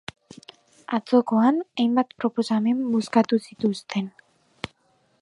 Atzokoan, hainbat proposamen bozkatu zituzten.